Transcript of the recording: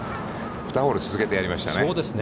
２ホール続けてやりましたね。